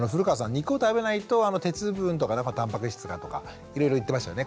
肉を食べないと鉄分とかたんぱく質がとかいろいろ言ってましたよね。